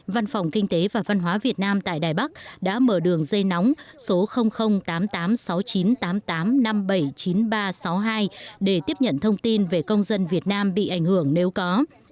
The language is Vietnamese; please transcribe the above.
văn phòng kinh tế và văn hóa việt nam tại đài bắc đã mở đường dây nóng số tám tám sáu chín tám tám năm bảy chín ba sáu hai để tiếp nhận thông tin về công dân việt nam bị ảnh hưởng bởi trận động đất này nếu có